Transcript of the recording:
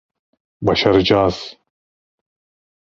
Başaracağız.